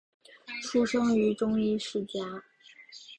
出生于中医世家。